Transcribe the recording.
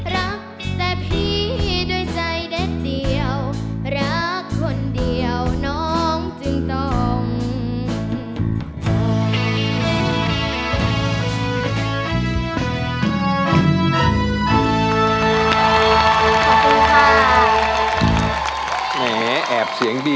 รักแต่พี่ด้วยใจเดียวรักแต่พี่ด้วยใจเดียว